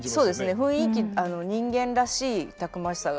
雰囲気人間らしいたくましさが。